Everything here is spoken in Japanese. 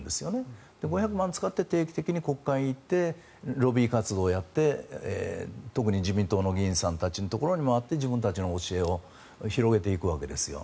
使って定期的に国会に行ってロビー活動をやって、特に自民党の議員さんたちのところに回って、自分たちの教えを広げていくわけですよ。